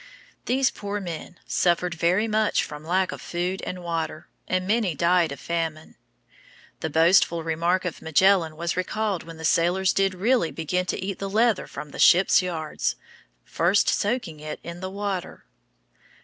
These poor men suffered very much from lack of food and water, and many died of famine. The boastful remark of Magellan was recalled when the sailors did really begin to eat the leather from the ship's yards, first soaking it in the water.